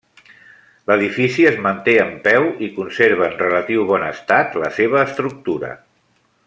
L'edifici es manté en peu i conserva en relatiu bon estat la seva estructura.